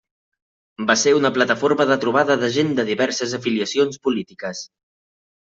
Va ser una plataforma de trobada de gent de diverses afiliacions polítiques.